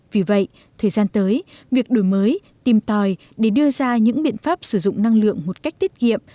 vì vậy thời gian tới việc đổi mới tìm tòi để đưa ra những biện pháp sử dụng năng lượng một cách tiết kiệm